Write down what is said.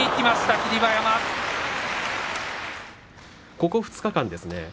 ここ２日間ですね。